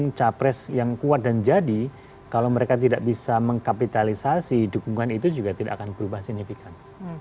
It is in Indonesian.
ini capres yang kuat dan jadi kalau mereka tidak bisa mengkapitalisasi dukungan itu juga tidak akan berubah signifikan